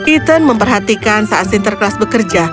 ethan memperhatikan saat sinterklas bekerja